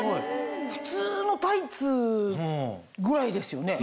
普通のタイツぐらいですよね。